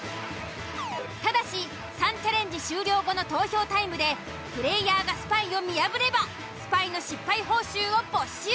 ただし３チャレンジ終了後の投票タイムでプレイヤーがスパイを見破ればスパイの失敗報酬を没収！